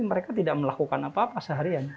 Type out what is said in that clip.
mereka tidak melakukan apa apa seharian